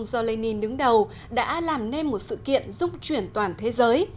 do lenin đứng đầu đã làm nên một sự kiện giúp chuyển toàn thế giới